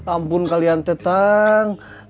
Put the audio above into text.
ampun kalian teh tangg